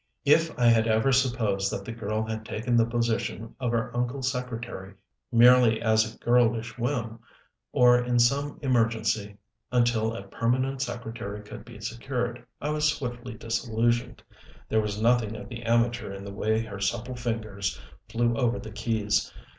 If I had ever supposed that the girl had taken the position of her uncle's secretary merely as a girlish whim, or in some emergency until a permanent secretary could be secured, I was swiftly disillusioned. There was nothing of the amateur in the way her supple fingers flew over the keys.